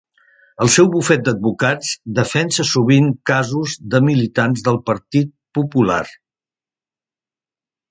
El seu bufet d'advocats defensa sovint casos de militants del Partit Popular.